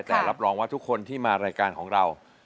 แต่รับรองว่าทุกคนที่มารายการของเรา